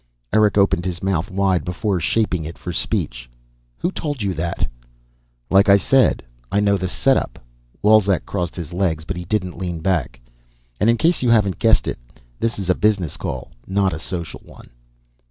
Eric opened his mouth wide before shaping it for speech. "Who told you that?" "Like I said, I know the setup." Wolzek crossed his legs, but he didn't lean back. "And in case you haven't guessed it, this is a business call, not a social one."